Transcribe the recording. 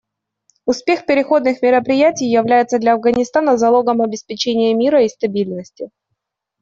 Успех переходных мероприятий является для Афганистана залогом обеспечения мира и стабильности.